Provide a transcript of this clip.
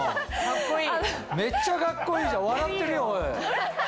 めっちゃカッコいいじゃん笑ってるよおい。